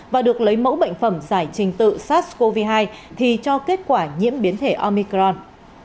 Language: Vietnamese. và được lấy mẫu bệnh phẩm giải trình tự sars cov hai thì cho kết quả nhiễm biến thể omicron